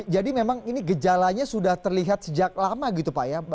memang ini gejalanya sudah terlihat sejak lama gitu pak ya